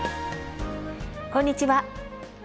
こんにちは。